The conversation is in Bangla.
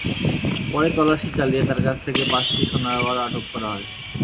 পরে তল্লাশি চালিয়ে তাঁর কাছ থেকে পাঁচটি সোনার বার আটক করা হয়।